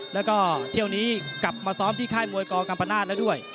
แล้วก็เที่ยวนี้กลับมาซ้อมที่ค่ายมวยกกัมปนาศแล้วด้วย